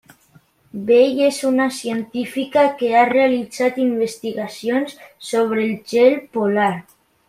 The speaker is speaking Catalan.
Bell és una científica que ha realitzat investigacions sobre el gel polar.